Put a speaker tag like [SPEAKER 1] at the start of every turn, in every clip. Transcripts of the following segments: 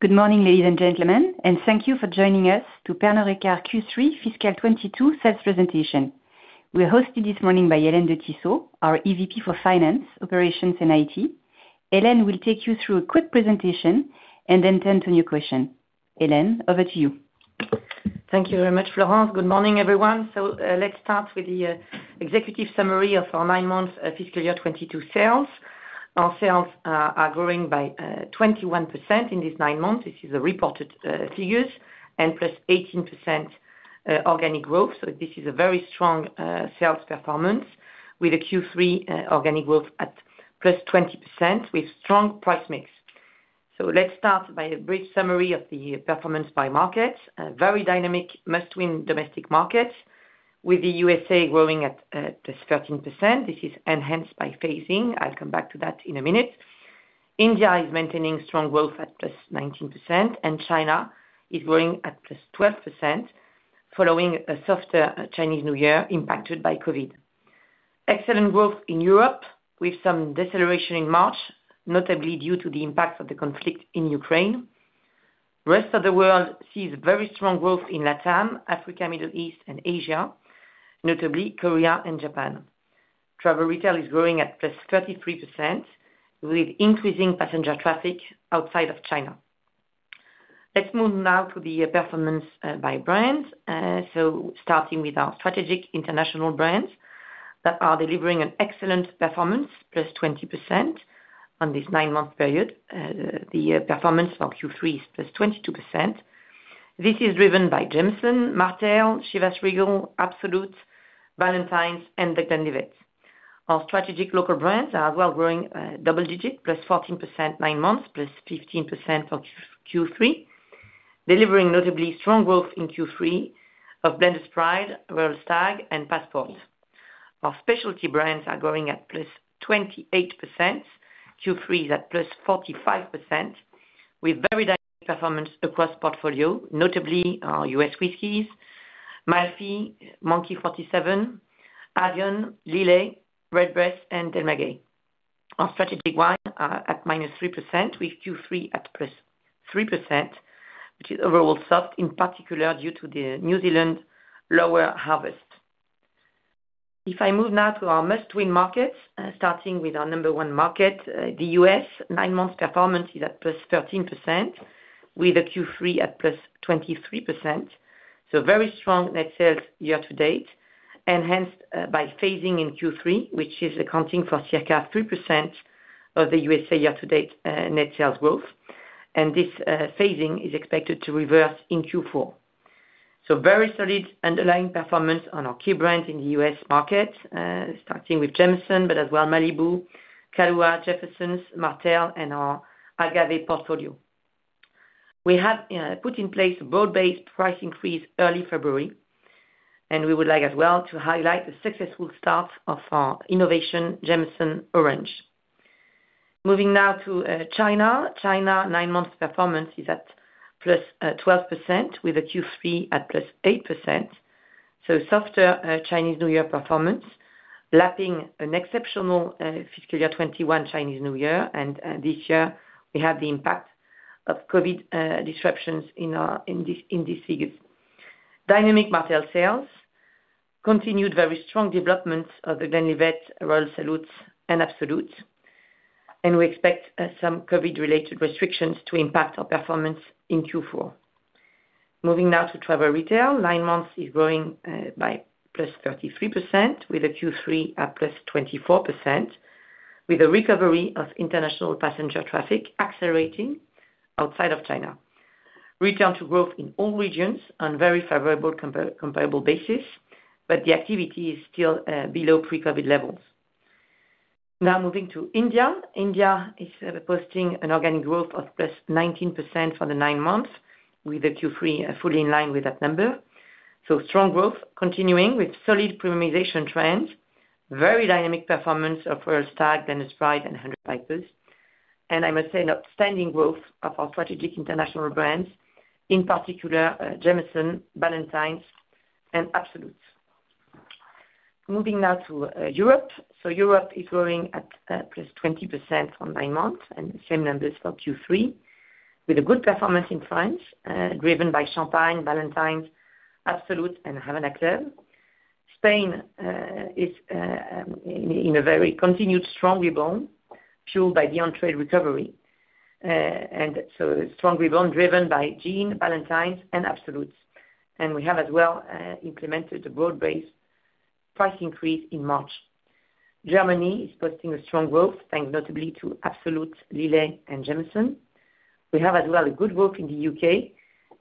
[SPEAKER 1] Good morning, ladies and gentlemen, and thank you for joining us to Pernod Ricard Q3 fiscal 2022 sales presentation. We are hosted this morning by Hélène de Tissot, our EVP Finance, IT & Operations. Hélène will take you through a quick presentation and then turn to your question. Hélène, over to you.
[SPEAKER 2] Thank you very much, Florence. Good morning, everyone. Let's start with the executive summary of our nine-month fiscal year 2022 sales. Our sales are growing by 21% in this nine months. This is the reported figures, and +18% organic growth. This is a very strong sales performance, with a Q3 organic growth at +20% with strong price mix. Let's start by a brief summary of the performance by market. A very dynamic must-win domestic market with the USA growing at +13%. This is enhanced by phasing. I'll come back to that in a minute. India is maintaining strong growth at +19%, and China is growing at +12% following a softer Chinese New Year impacted by COVID. Excellent growth in Europe with some deceleration in March, notably due to the impact of the conflict in Ukraine. Rest of the world sees very strong growth in LATAM, Africa, Middle East and Asia, notably Korea and Japan. Travel retail is growing at +33% with increasing passenger traffic outside of China. Let's move now to the performance by brand. So starting with our strategic international brands that are delivering an excellent performance, +20% on this nine-month period. The performance for Q3 is +22%. This is driven by Jameson, Martell, Chivas Regal, Absolut, Ballantine's and The Glenlivet. Our strategic local brands are well growing double-digit, +14% nine months, +15% for Q3. Delivering notably strong growth in Q3 of Blenders Pride, Royal Stag, and Passport. Our specialty brands are growing at +28%. Q3 is at +45% with very dynamic performance across portfolio, notably our U.S. Whiskies, Malibu, Monkey 47, Avión, Lillet, Redbreast, and Del Maguey. Our strategic wines are at -3% with Q3 at +3%, which is overall soft, in particular due to the New Zealand lower harvest. If I move now to our must-win markets, starting with our number one market, the U.S. nine months performance is at +13% with a Q3 at +23%. Very strong net sales year to date, enhanced by phasing in Q3, which is accounting for circa 3% of the USA year to date, net sales growth. This phasing is expected to reverse in Q4. Very solid underlying performance on our key brands in the US market, starting with Jameson, but as well Malibu, Kahlúa, Jefferson's, Martell, and our Agave portfolio. We have put in place a broad-based price increase early February, and we would like as well to highlight the successful start of our innovation, Jameson Orange. Moving now to China. China nine months performance is at +12% with a Q3 at +8%, so softer Chinese New Year performance, lapping an exceptional fiscal year 2021 Chinese New Year. This year we have the impact of COVID disruptions in these figures. Dynamic Martell sales continued very strong developments of The Glenlivet, Royal Salute, and Absolut, and we expect some COVID-related restrictions to impact our performance in Q4. Moving now to travel retail. Nine months is growing by +33% with a Q3 at +24% with a recovery of international passenger traffic accelerating outside of China. Return to growth in all regions on very favorable comparable basis, but the activity is still below pre-COVID levels. Now moving to India. India is posting an organic growth of +19% for the nine months with a Q3 fully in line with that number. Strong growth continuing with solid premiumization trends, very dynamic performance of Royal Stag, Blenders Pride, and Imperial Blue. I must say an outstanding growth of our strategic international brands, in particular, Jameson, Ballantine's and Absolut. Moving now to Europe. Europe is growing at +20% over nine months, and the same numbers for Q3 with a good performance in France driven by Champagne, Ballantine's, Absolut and Havana Club. Spain is in a very continued strong rebound fueled by the on-trade recovery. Strong rebound driven by Gin, Ballantine's and Absolut. We have as well implemented the broad-based price increase in March. Germany is posting a strong growth, thanks notably to Absolut, Lillet and Jameson. We have as well a good growth in the U.K.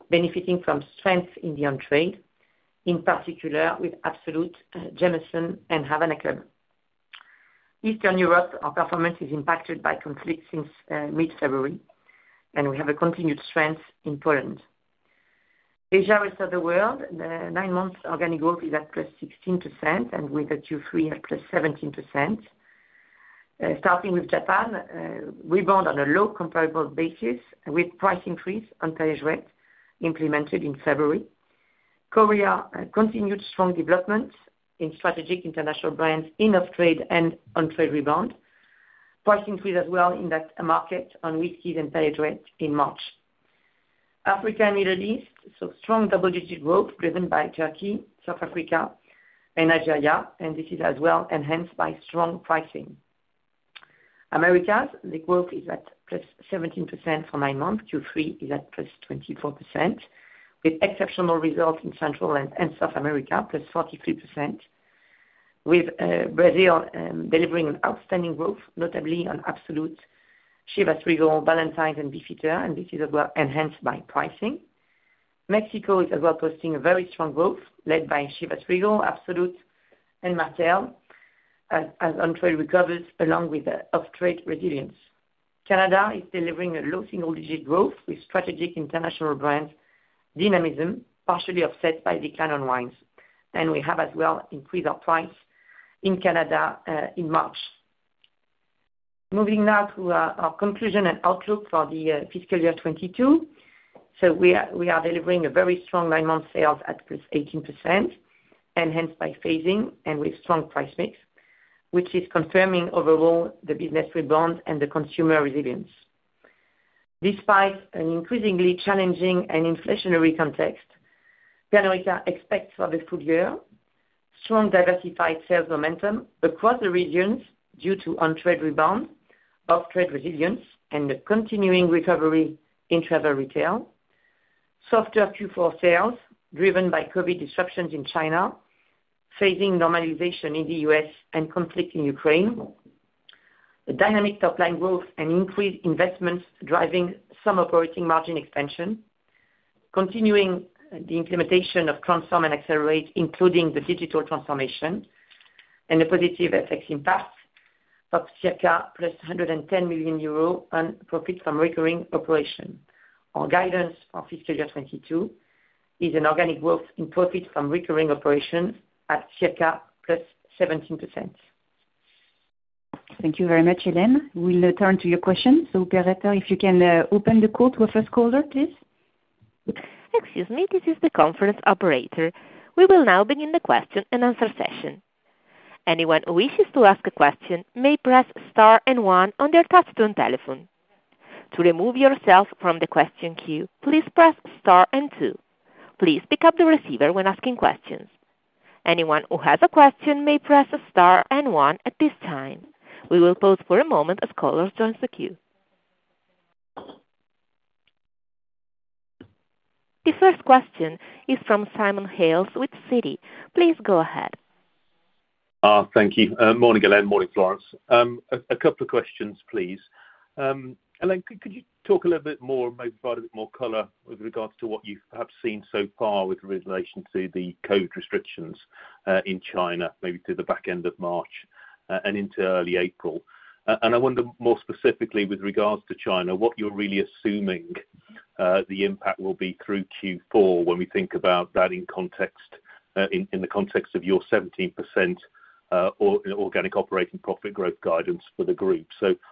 [SPEAKER 2] benefiting from strength in the on-trade, in particular with Absolut, Jameson and Havana Club. Eastern Europe, our performance is impacted by conflict since mid-February, and we have a continued strength in Poland. Asia, rest of the world, the nine months organic growth is at +16%, and with the Q3 at +17%. Starting with Japan, we rebound on a low comparable basis with price increase on Perrier-Jouët implemented in February. Korea, continued strong development in strategic international brands in off-trade and on-trade rebound. Price increase as well in that market on whiskeys and Tequila in March. Africa and Middle East, strong double-digit growth driven by Turkey, South Africa, and Nigeria, and this is as well enhanced by strong pricing. Americas, the growth is at +17% for nine months. Q3 is at +24% with exceptional results in Central and South America, +43%. With Brazil, delivering outstanding growth, notably on Absolut, Chivas Regal, Ballantine's and Beefeater, and this is as well enhanced by pricing. Mexico is as well posting a very strong growth led by Chivas Regal, Absolut and Martell as on-trade recovers along with off-trade resilience. Canada is delivering a low single-digit growth with strategic international brands dynamism partially offset by decline on wines. We have as well increased our price in Canada in March. Moving now to our conclusion and outlook for the fiscal year 2022. We are delivering a very strong nine-month sales at +18%, enhanced by phasing and with strong price mix, which is confirming overall the business rebound and the consumer resilience. Despite an increasingly challenging and inflationary context, Pernod Ricard expects for the full year strong diversified sales momentum across the regions due to on-trade rebound, off-trade resilience, and a continuing recovery in travel retail. Softer Q4 sales driven by COVID disruptions in China, phasing normalization in the U.S., and conflict in Ukraine. A dynamic top line growth and increased investments driving some operating margin expansion. Continuing the implementation of Transform and Accelerate, including the digital transformation and a positive FX impact of circa +110 million euros on profits from recurring operations. Our guidance for fiscal year 2022 is an organic growth in profit from recurring operations at circa +17%.
[SPEAKER 1] Thank you very much, Hélène. We'll turn to your questions. Operator, if you can, open the call to our first caller, please.
[SPEAKER 3] Excuse me. This is the conference operator. We will now begin the question and answer session. Anyone who wishes to ask a question may press star and one on their touchtone telephone. To remove yourself from the question queue, please press star and two. Please pick up the receiver when asking questions. Anyone who has a question may press star and one at this time. We will pause for a moment as callers join the queue. The first question is from Simon Hales with Citi. Please go ahead.
[SPEAKER 4] Thank you. Morning Hélène, morning Florence. A couple of questions, please. Hélène, could you talk a little bit more, maybe provide a bit more color with regards to what you have seen so far with relation to the COVID restrictions in China, maybe to the back end of March and into early April. I wonder more specifically with regards to China, what you're really assuming the impact will be through Q4 when we think about that in context, in the context of your 17% organic operating profit growth guidance for the group.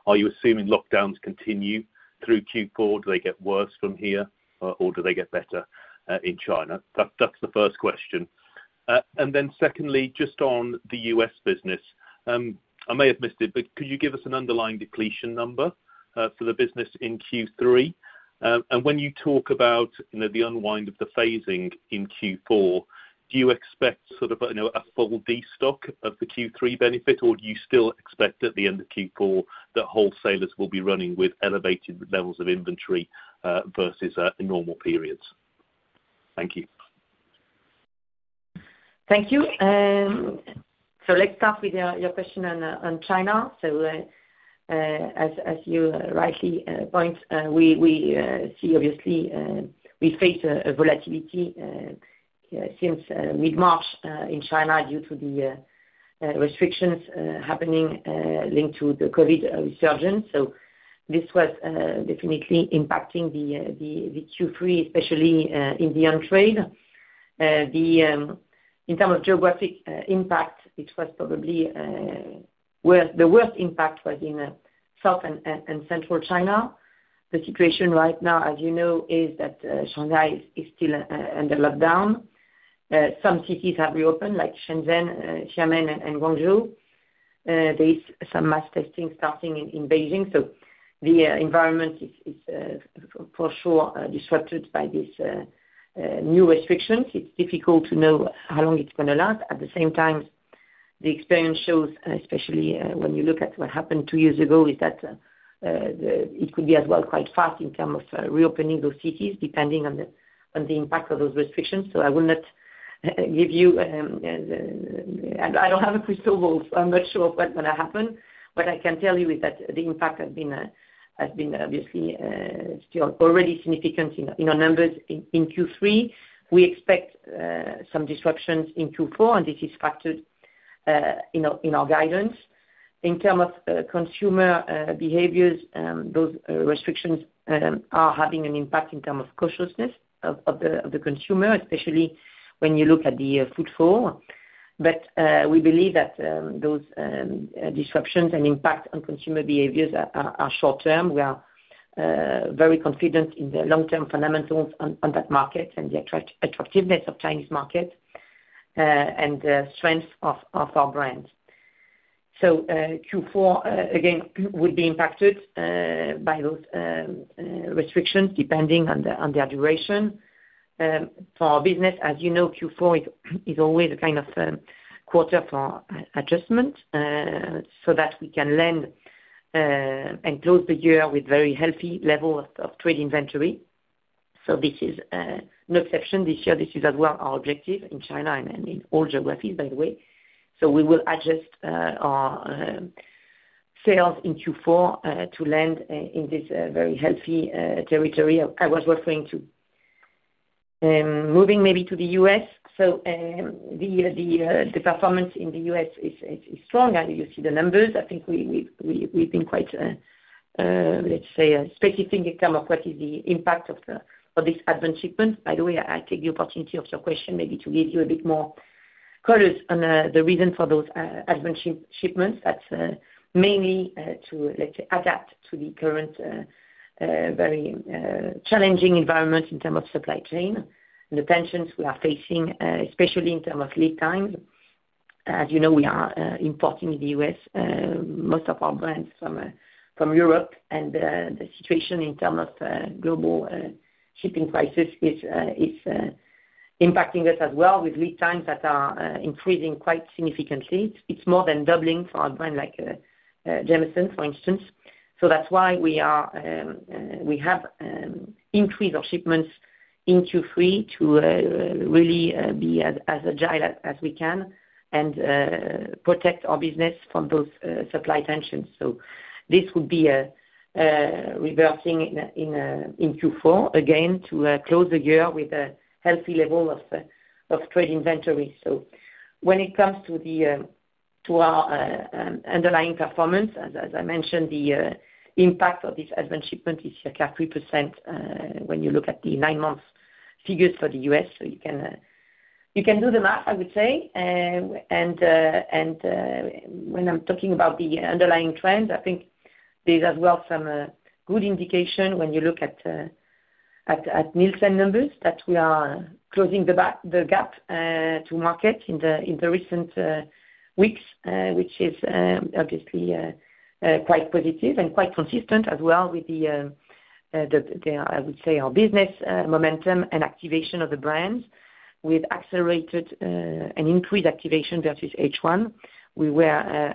[SPEAKER 4] Are you assuming lockdowns continue through Q4? Do they get worse from here or do they get better in China? That's the first question. Then secondly, just on the U.S. business, I may have missed it, but could you give us an underlying depletion number, for the business in Q3? When you talk about, you know, the unwind of the phasing in Q4, do you expect sort of, you know, a full destock of the Q3 benefit, or do you still expect at the end of Q4 that wholesalers will be running with elevated levels of inventory, versus, normal periods? Thank you.
[SPEAKER 2] Thank you. Let's start with your question on China. As you rightly point, we see obviously we face a volatility since mid-March in China due to the restrictions happening linked to the COVID resurgence. This was definitely impacting the Q3, especially in the on-trade. In terms of geographic impact, it was probably the worst impact in South and Central China. The situation right now, as you know, is that Shanghai is still under lockdown. Some cities have reopened like Shenzhen, Xiamen, and Guangzhou. There is some mass testing starting in Beijing, so the environment is for sure disrupted by these new restrictions. It's difficult to know how long it's gonna last. At the same time, the experience shows, especially when you look at what happened two years ago, is that it could be as well quite fast in terms of reopening those cities depending on the impact of those restrictions. I will not give you. I don't have a crystal ball, so I'm not sure of what's gonna happen. What I can tell you is that the impact has been obviously still already significant in our numbers in Q3. We expect some disruptions in Q4 and this is factored in our guidance. In terms of consumer behaviors, those restrictions are having an impact in terms of cautiousness of the consumer, especially when you look at the on-trade. We believe that those disruptions and impact on consumer behaviors are short term. We are very confident in the long term fundamentals on that market and the attractiveness of Chinese market and the strength of our brand. Q4 again would be impacted by those restrictions depending on their duration. For our business, as you know, Q4 is always a kind of quarter for adjustment so that we can land and close the year with very healthy level of trade inventory. This is no exception. This year, this is as well our objective in China and in all geographies, by the way. We will adjust our sales in Q4 to land in this very healthy territory I was referring to. Moving maybe to the U.S. The performance in the U.S. is strong. As you see the numbers, I think we've been quite, let's say specific in terms of what is the impact of this advanced shipment. By the way, I take the opportunity of your question maybe to give you a bit more colors on the reason for those advanced shipments. That's mainly to, let's say, adapt to the current very challenging environment in terms of supply chain and the tensions we are facing, especially in terms of lead time. As you know, we are importing to the US most of our brands from Europe. The situation in terms of global shipping crisis is impacting us as well with lead times that are increasing quite significantly. It's more than doubling for our brands like Jameson, for instance. That's why we have increased our shipments in Q3 to really be as agile as we can and protect our business from those supply tensions. This would be reversing in Q4, again, to close the year with a healthy level of trade inventory. When it comes to our underlying performance, as I mentioned, the impact of this advanced shipment is capped at 3%, when you look at the nine-month figures for the U.S. You can do the math, I would say. When I'm talking about the underlying trends, I think there's as well some good indication when you look at Nielsen numbers that we are closing the gap to market in the recent weeks, which is obviously quite positive and quite consistent as well with the I would say our business momentum and activation of the brands. We've accelerated and increased activation versus H1. We were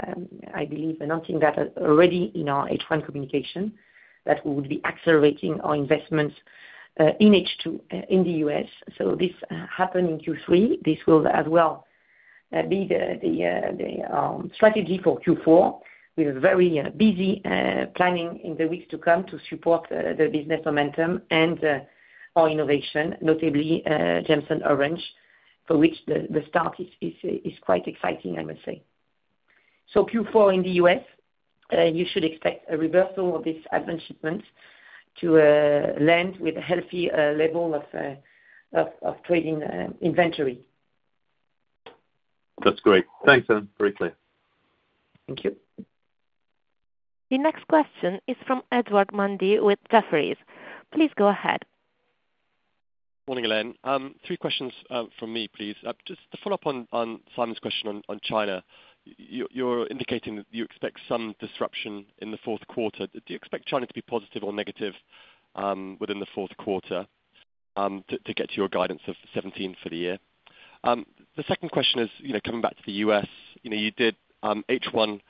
[SPEAKER 2] I believe announcing that already in our H1 communication that we would be accelerating our investments in H2 in the U.S. This happened in Q3. This will as well be the strategy for Q4. We are very busy planning in the weeks to come to support the business momentum and our innovation, notably Jameson Orange, for which the start is quite exciting, I must say. Q4 in the U.S., you should expect a reversal of this advance shipments to land with a healthy level of trading inventory.
[SPEAKER 4] That's great. Thanks, Hélène. Very clear.
[SPEAKER 2] Thank you.
[SPEAKER 3] The next question is from Edward Mundy with Jefferies. Please go ahead.
[SPEAKER 5] Morning, Hélène. Three questions from me, please. Just to follow up on Simon's question on China. You're indicating that you expect some disruption in the fourth quarter. Do you expect China to be positive or negative within the fourth quarter to get to your guidance of 17% for the year? The second question is, you know, coming back to the US, you know, you did H1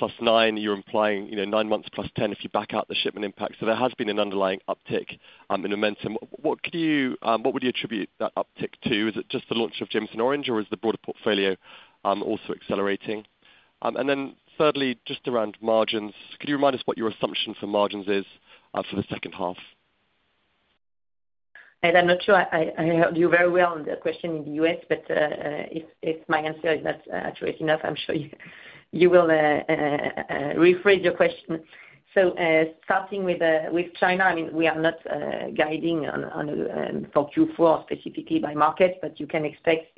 [SPEAKER 5] +9%. You're implying, you know, nine months +10% if you back out the shipment impact. There has been an underlying uptick in momentum. What would you attribute that uptick to? Is it just the launch of Jameson Orange or is the broader portfolio also accelerating? Thirdly, just around margins, could you remind us what your assumption for margins is for the second half?
[SPEAKER 2] I'm not sure I heard you very well on the question in the U.S., but if my answer is not accurate enough, I'm sure you will rephrase your question. Starting with China, I mean, we are not guiding on for Q4 specifically by market, but you can expect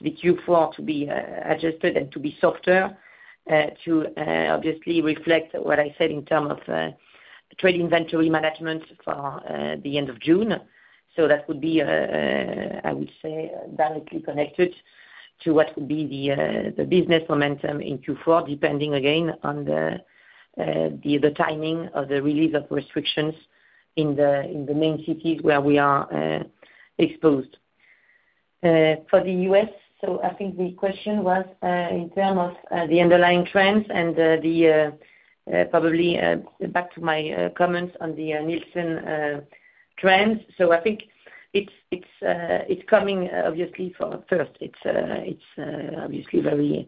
[SPEAKER 2] the Q4 to be adjusted and to be softer to obviously reflect what I said in terms of trade inventory management for the end of June. That would be, I would say directly connected to what would be the business momentum in Q4, depending again on the timing of the release of restrictions in the main cities where we are exposed. For the U.S., I think the question was, in terms of the underlying trends and probably back to my comments on the Nielsen trends. I think it's coming obviously for first. It's obviously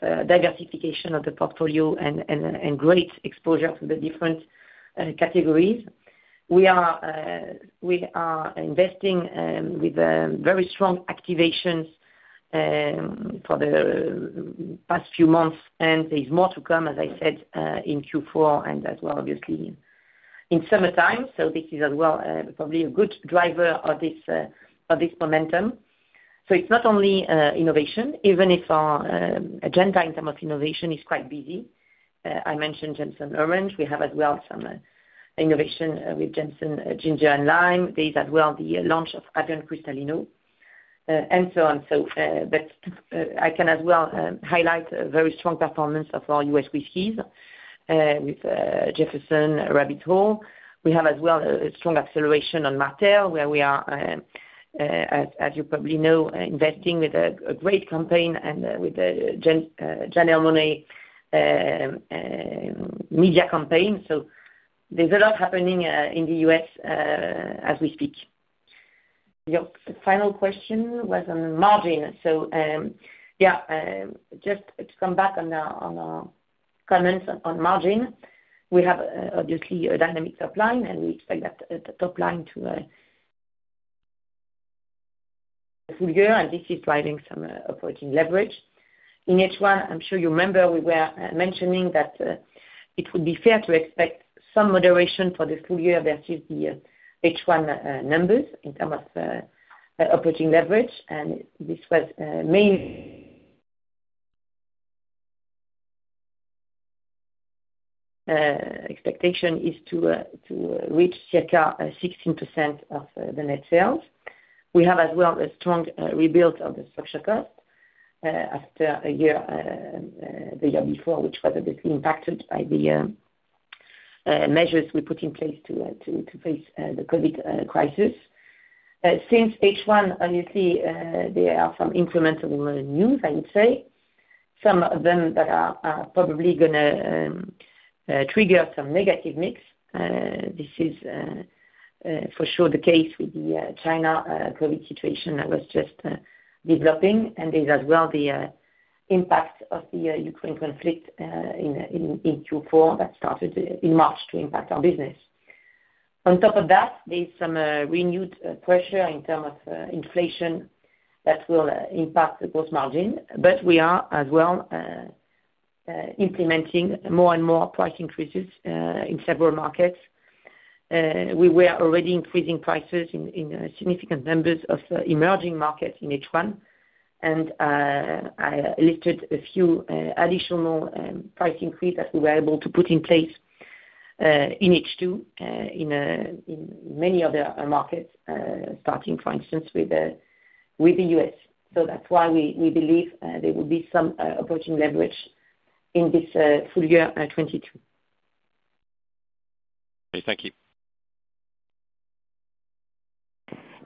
[SPEAKER 2] some diversification of the portfolio and great exposure to the different categories. We are investing with very strong activations for the past few months, and there's more to come, as I said, in Q4 and as well obviously in summertime. This is as well probably a good driver of this momentum. It's not only innovation, even if our agenda in terms of innovation is quite busy. I mentioned Jameson Orange. We have as well some innovation with Jameson Ginger & Lime. There is as well the launch of Avión Cristalino, and so on. But I can as well highlight a very strong performance of our U.S. whiskeys with Jefferson's, Rabbit Hole. We have as well a strong acceleration on Martell, where we are, as you probably know, investing with a great campaign and with the Janelle Monáe media campaign. There's a lot happening in the U.S. as we speak. Your final question was on margin. Just to come back on our comments on margin, we have obviously a dynamic top line, and we expect that the top line to full year, and this is driving some operating leverage. In H1, I'm sure you remember we were mentioning that it would be fair to expect some moderation for the full year versus the H1 numbers in terms of operating leverage. This was the main expectation is to reach circa 16% of the net sales. We have as well a strong rebuild of the cost structure after the year before, which was a bit impacted by the measures we put in place to face the COVID crisis. Since H1, obviously, there are some incremental news, I would say. Some of them that are probably gonna trigger some negative mix. This is for sure the case with the China COVID situation that was just developing and is as well the impact of the Ukraine conflict in Q4 that started in March to impact our business. On top of that, there's some renewed pressure in terms of inflation that will impact the gross margin. We are as well implementing more and more price increases in several markets. We were already increasing prices in significant numbers of emerging markets in H1. I listed a few additional price increase that we were able to put in place in H2 in many other markets starting, for instance, with the U.S. That's why we believe there will be some approaching leverage in this full year 2022.
[SPEAKER 5] Thank you.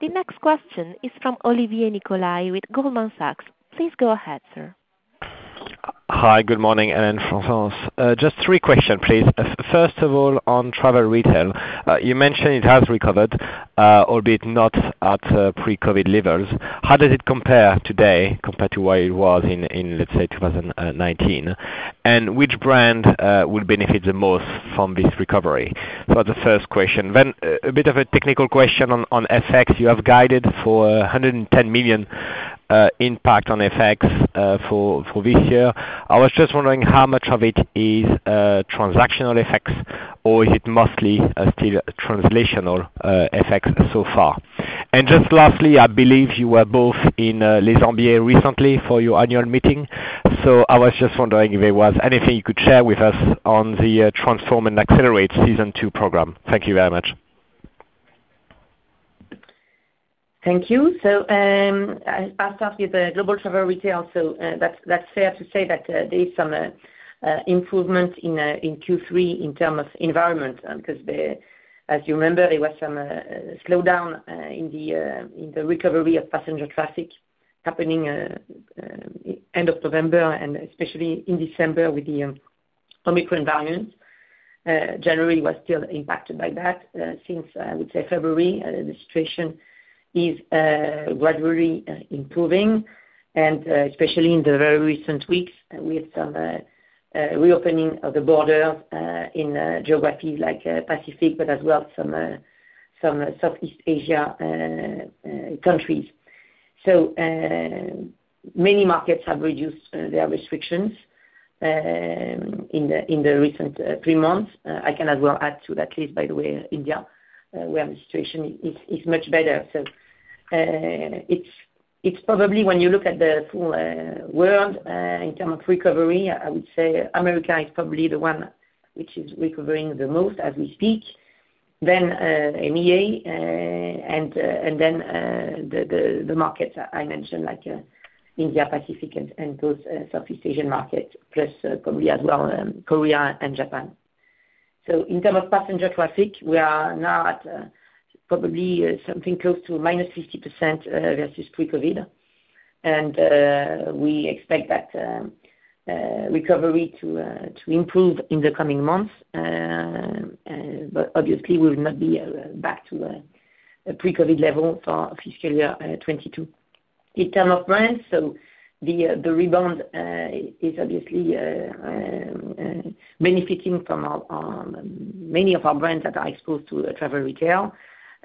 [SPEAKER 3] The next question is from Jean-Olivier Nicolai with Goldman Sachs. Please go ahead, sir.
[SPEAKER 6] Hi. Good morning, Hélène de Tissot and Florence Tresarrieu. Just three questions, please. First of all, on travel retail, you mentioned it has recovered, albeit not at pre-COVID levels. How does it compare today compared to where it was in, let's say, 2019? And which brand will benefit the most from this recovery? That's the first question. Then a bit of a technical question on FX. You have guided for 110 million impact on FX for this year. I was just wondering how much of it is transactional effects or is it mostly still translational effects so far? And just lastly, I believe you were both in Les Embiez recently for your annual meeting. I was just wondering if there was anything you could share with us on the Transform and Accelerate Season Two program. Thank you very much.
[SPEAKER 2] Thank you. I'll start with the global travel retail. That's fair to say that there is some improvement in Q3 in terms of environment, because as you remember, there was some slowdown in the recovery of passenger traffic happening end of November and especially in December with the Omicron variant. January was still impacted by that. Since, I would say, February, the situation is gradually improving, and especially in the very recent weeks with some reopening of the border in geographies like Pacific, but as well some Southeast Asia countries. Many markets have reduced their restrictions in the recent three months. I can as well add to that list, by the way, India, where the situation is much better. It's probably when you look at the full world in terms of recovery, I would say America is probably the one which is recovering the most as we speak. Then MEA and then the markets I mentioned, like India, Pacific and those Southeast Asian markets, plus probably as well Korea and Japan. In terms of passenger traffic, we are now at probably something close to minus 50% versus pre-COVID. We expect that recovery to improve in the coming months. But obviously we will not be back to a pre-COVID level for fiscal year 2022. In terms of brands, the rebound is obviously benefiting from our many brands that are exposed to travel retail.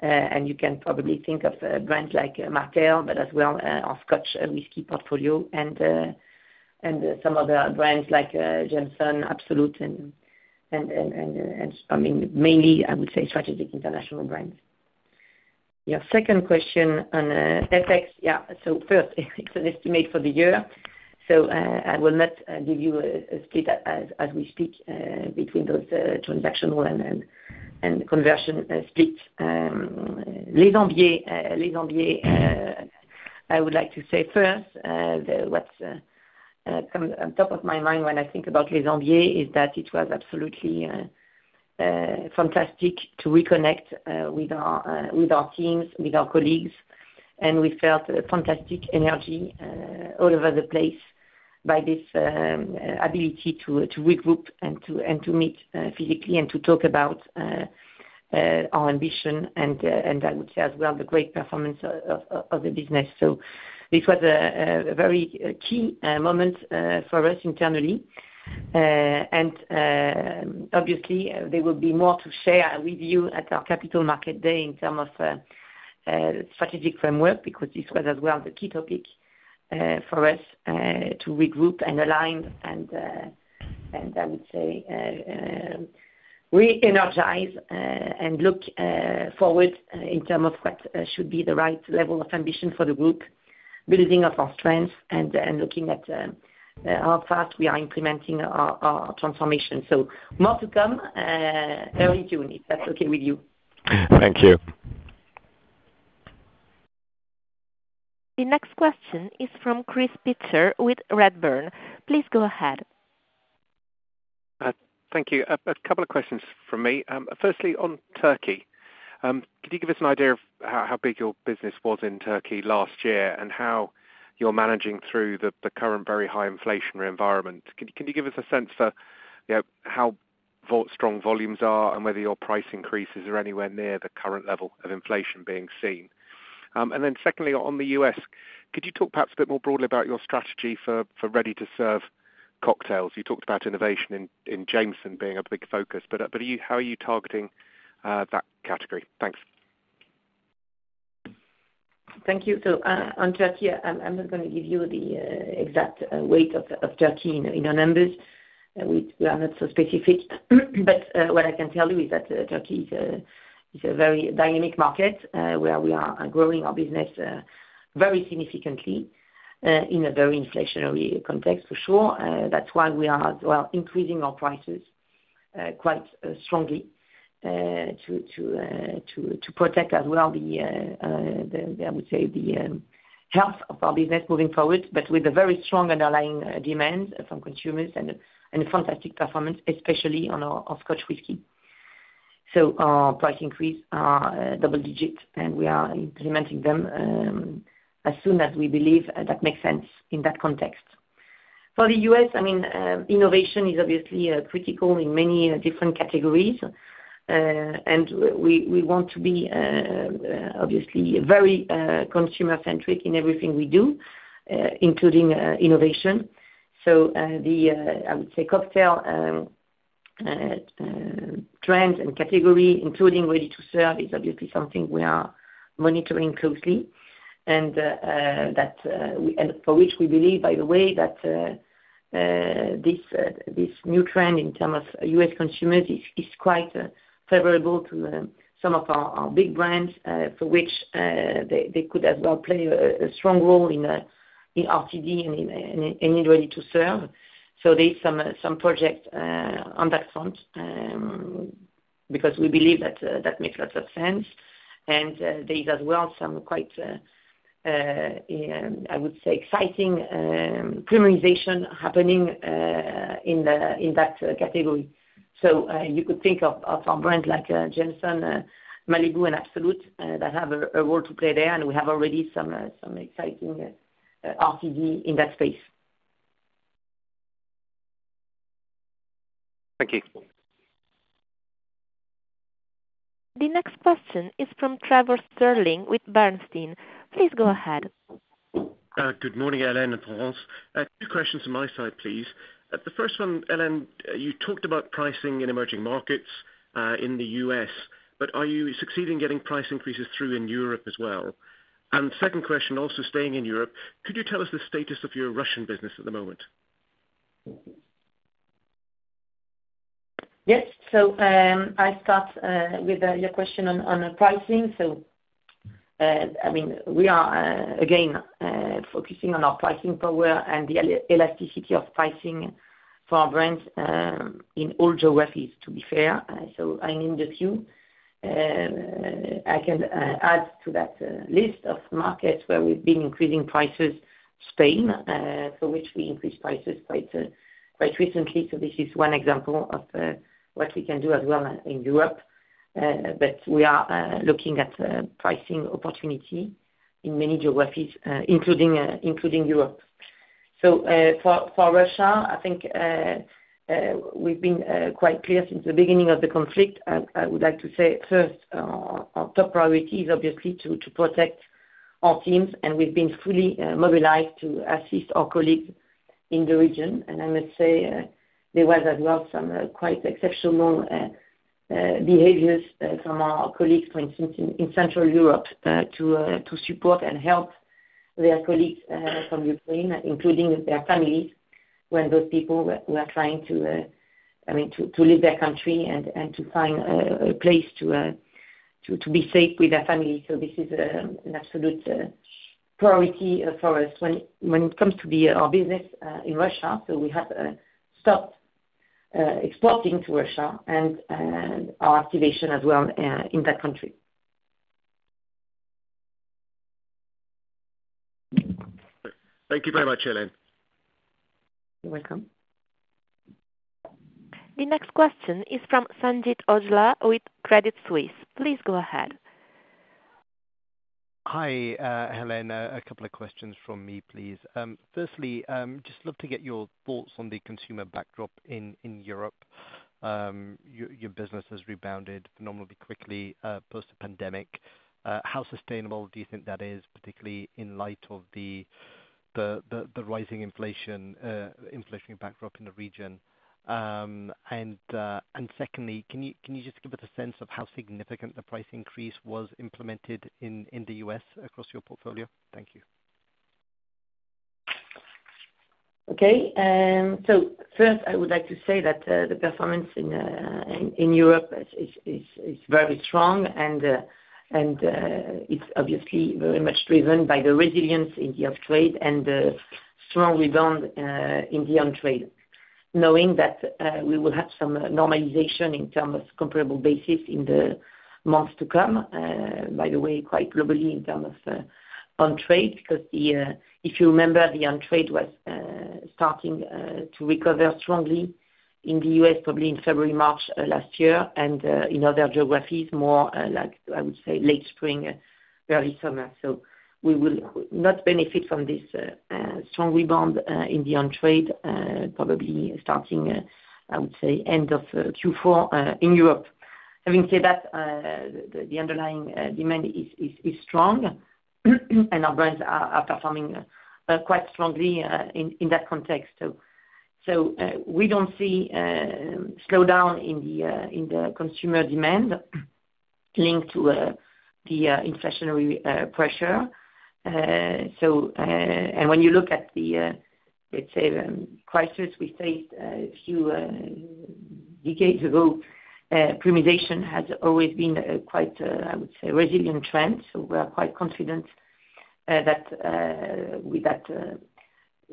[SPEAKER 2] You can probably think of a brand like Martell, but as well our Scotch whisky portfolio and some other brands like Jameson, Absolut and, I mean, mainly I would say strategic international brands. Your second question on FX. Yeah. First, it's an estimate for the year. I will not give you a split as we speak between those transactional and conversion split. Les Embiez, I would like to say first, what comes to the top of my mind when I think about Les Embiez is that it was absolutely fantastic to reconnect with our teams, with our colleagues. We felt a fantastic energy all over the place by this ability to regroup and to meet physically and to talk about our ambition and I would say as well, the great performance of the business. This was a very key moment for us internally. Obviously there will be more to share with you at our Capital Markets Day in terms of strategic framework because this was as well the key topic for us to regroup and align and I would say re-energize and look forward in terms of what should be the right level of ambition for the group, building up our strengths and looking at how fast we are implementing our transformation. More to come early June, if that's okay with you.
[SPEAKER 6] Thank you.
[SPEAKER 3] The next question is from Chris Pitcher with Redburn. Please go ahead.
[SPEAKER 7] Thank you. A couple of questions from me. Firstly, on Turkey, could you give us an idea of how big your business was in Turkey last year and how you're managing through the current very high inflationary environment? Can you give us a sense for, you know, how strong volumes are and whether your price increases are anywhere near the current level of inflation being seen? Secondly, on the U.S., could you talk perhaps a bit more broadly about your strategy for ready-to-serve cocktails? You talked about innovation in Jameson being a big focus, but how are you targeting that category? Thanks.
[SPEAKER 2] Thank you. On Turkey, I'm not gonna give you the exact weight of Turkey in our numbers. We are not so specific. What I can tell you is that Turkey is a very dynamic market where we are growing our business very significantly in a very inflationary context for sure. That's why we are as well increasing our prices quite strongly to protect as well the health of our business moving forward, but with a very strong underlying demand from consumers and a fantastic performance especially on our Scotch whisky. Our price increase are double digit, and we are implementing them as soon as we believe that makes sense in that context. For the U.S., I mean, innovation is obviously critical in many different categories. We want to be obviously very consumer centric in everything we do, including innovation. The cocktail trend and category including ready to serve is obviously something we are monitoring closely, and for which we believe by the way that this new trend in terms of U.S. consumers is quite favorable to some of our big brands, for which they could as well play a strong role in RTD and in ready to serve. There's some projects on that front because we believe that makes lots of sense. There is as well some quite I would say exciting premiumization happening in that category. You could think of some brands like Jameson, Malibu and Absolut that have a role to play there, and we have already some exciting RTD in that space.
[SPEAKER 7] Thank you.
[SPEAKER 3] The next question is from Trevor Stirling with Bernstein. Please go ahead.
[SPEAKER 8] Good morning, Hélène and Florence. Two questions from my side, please. The first one, Hélène, you talked about pricing in emerging markets, in the U.S., but are you succeeding getting price increases through in Europe as well? Second question, also staying in Europe, could you tell us the status of your Russian business at the moment?
[SPEAKER 2] Yes. I start with your question on pricing. I mean, we are again focusing on our pricing power and the elasticity of pricing for our brands in all geographies to be fair. I named a few. I can add to that list of markets where we've been increasing prices Spain for which we increased prices quite recently. This is one example of what we can do as well in Europe. We are looking at pricing opportunity in many geographies, including Europe. For Russia, I think we've been quite clear since the beginning of the conflict. I would like to say first our top priority is obviously to protect our teams, and we've been fully mobilized to assist our colleagues in the region. I must say, there was as well some quite exceptional behaviors from our colleagues for instance in Central Europe to support and help their colleagues from Ukraine including their families. When those people were trying to, I mean to leave their country and to find a place to be safe with their family. This is an absolute priority for us. When it comes to our business in Russia, we have stopped exporting to Russia and our activation as well in that country.
[SPEAKER 8] Thank you very much, Hélène.
[SPEAKER 2] You're welcome.
[SPEAKER 1] The next question is from Sanjeet Aujla with Credit Suisse. Please go ahead.
[SPEAKER 9] Hi, Hélène. A couple of questions from me, please. Firstly, just love to get your thoughts on the consumer backdrop in Europe. Your business has rebounded phenomenally quickly post pandemic. How sustainable do you think that is, particularly in light of the rising inflation backdrop in the region? Secondly, can you just give us a sense of how significant the price increase was implemented in the US across your portfolio? Thank you.
[SPEAKER 2] Okay. First, I would like to say that the performance in Europe is very strong and it's obviously very much driven by the resilience in the off-trade and the strong rebound in the on-trade. Knowing that, we will have some normalization in terms of comparable basis in the months to come, by the way, quite globally in terms of on-trade, because if you remember, the on-trade was starting to recover strongly in the US probably in February, March last year, and in other geographies, more like I would say late spring, early summer. We will not benefit from this strong rebound in the on-trade, probably starting I would say end of Q4 in Europe. Having said that, the underlying demand is strong, and our brands are performing quite strongly in that context. We don't see slowdown in the consumer demand linked to the inflationary pressure. When you look at, let's say, the crisis we faced a few decades ago, premiumization has always been quite, I would say, a resilient trend. We're quite confident that with that,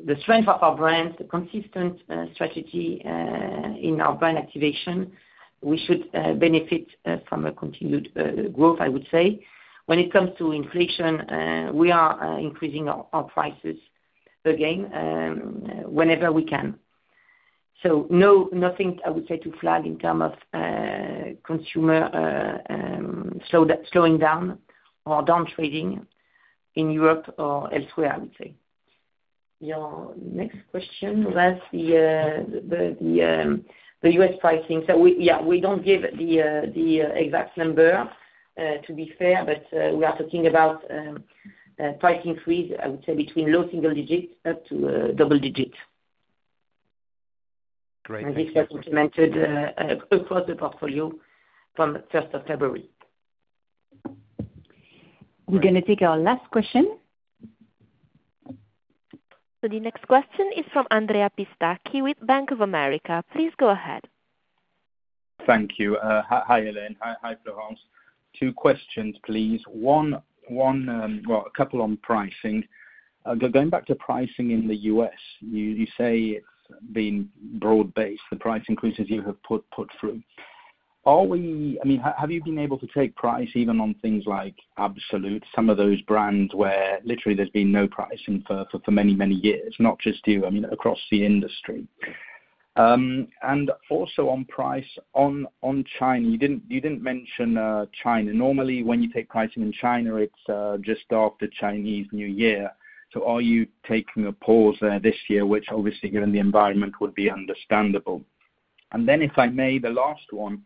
[SPEAKER 2] the strength of our brands, the consistent strategy in our brand activation, we should benefit from a continued growth, I would say. When it comes to inflation, we are increasing our prices again whenever we can. No, nothing I would say to flag in terms of consumer slowing down or downtrading in Europe or elsewhere, I would say. Your next question was the U.S. pricing. We don't give the exact number, to be fair, but we are talking about price increases, I would say between low single digits up to double digits.
[SPEAKER 9] Great. Thank you.
[SPEAKER 2] This was implemented across the portfolio from the first of February.
[SPEAKER 1] We're gonna take our last question. The next question is from Andrea Pistacchi with Bank of America. Please go ahead.
[SPEAKER 10] Thank you. Hi, Hélène. Hi, Florence. Two questions, please. One, well, a couple on pricing. Going back to pricing in the U.S., you say it's been broad-based, the price increases you have put through. Are we? I mean, have you been able to take price even on things like Absolut, some of those brands where literally there's been no pricing for many years, not just you, I mean, across the industry? Also on price on China, you didn't mention China. Normally, when you take pricing in China, it's just after Chinese New Year. Are you taking a pause there this year, which obviously given the environment would be understandable? If I may, the last one,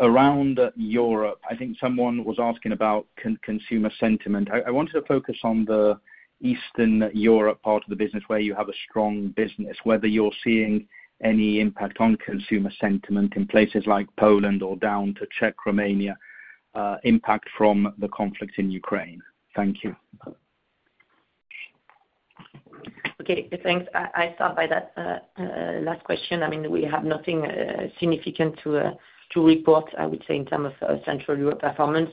[SPEAKER 10] around Europe, I think someone was asking about consumer sentiment. I wanted to focus on the Eastern Europe part of the business where you have a strong business, whether you're seeing any impact on consumer sentiment in places like Poland or down to Czech, Romania, impact from the conflict in Ukraine. Thank you.
[SPEAKER 2] Okay. Thanks. I start by that last question. I mean, we have nothing significant to report, I would say, in terms of Central Europe performance.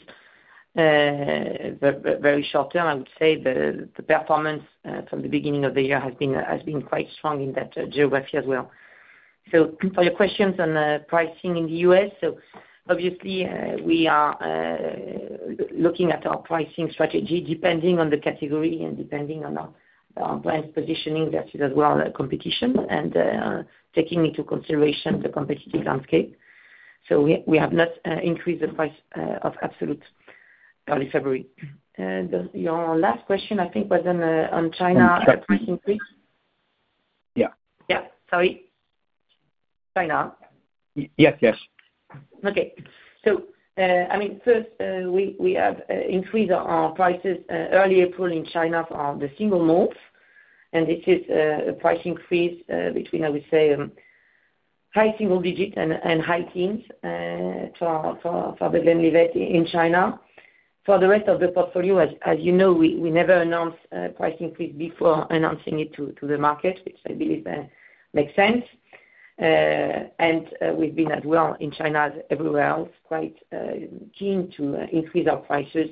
[SPEAKER 2] Very short term, I would say the performance from the beginning of the year has been quite strong in that geography as well. For your questions on pricing in the U.S., obviously, we are looking at our pricing strategy, depending on the category and depending on our brand positioning versus as well competition and taking into consideration the competitive landscape. We have not increased the price of Absolut early February. Your last question, I think, was on China.
[SPEAKER 10] Sure.
[SPEAKER 2] the price increase.
[SPEAKER 10] Yeah.
[SPEAKER 2] Yeah. Sorry. China?
[SPEAKER 10] Yes, yes.
[SPEAKER 2] I mean, first, we have increased our prices early April in China for the single malts, and this is a price increase between, I would say, high single digit and high teens for The Glenlivet in China. For the rest of the portfolio, as you know, we never announce price increase before announcing it to the market, which I believe makes sense. We've been as well in China as everywhere else, quite keen to increase our prices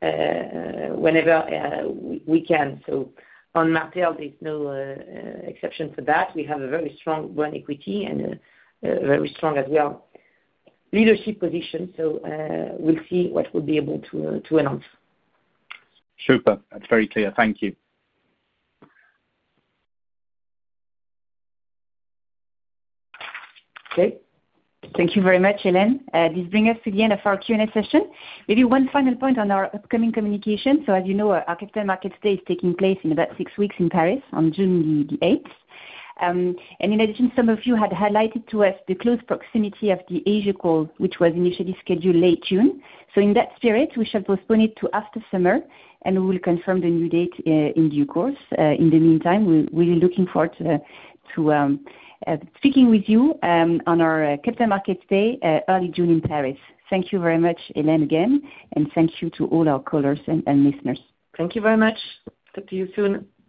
[SPEAKER 2] whenever we can. On Martell, there's no exception for that. We have a very strong brand equity and a very strong as well leadership position. We'll see what we'll be able to announce.
[SPEAKER 10] Super. That's very clear. Thank you.
[SPEAKER 2] Okay.
[SPEAKER 1] Thank you very much, Hélène. This bring us to the end of our Q&A session. Maybe one final point on our upcoming communication. As you know, our Capital Markets Day is taking place in about six weeks in Paris on June the eighth. In addition, some of you had highlighted to us the close proximity of the Asia call, which was initially scheduled late June. In that spirit, we shall postpone it to after summer, and we will confirm the new date in due course. In the meantime, we're really looking forward to speaking with you on our Capital Markets Day early June in Paris. Thank you very much, Hélène, again, and thank you to all our callers and listeners.
[SPEAKER 2] Thank you very much. Talk to you soon.